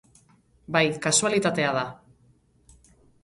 Bai, kasualitatea da.